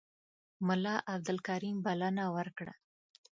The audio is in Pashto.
ملا عبدالکریم بلنه ورکړه.